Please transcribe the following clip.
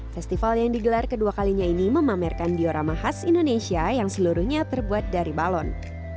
festival yang digelar kedua kalinya ini memamerkan diorama khas indonesia yang seluruhnya terbuat dari balon